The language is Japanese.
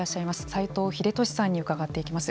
斎藤秀俊さんに伺っていきます。